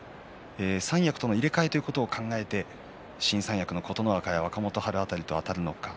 三役との入れ替えということを考えて、新三役の琴ノ若や若元春などとあたるのか。